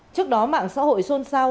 trước đó mạng xã hội xôn xao